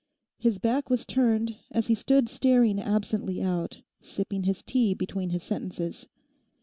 His back was turned, as he stood staring absently out, sipping his tea between his sentences.